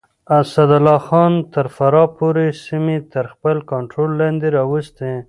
اسدالله خان تر فراه پورې سيمې تر خپل کنټرول لاندې راوستې.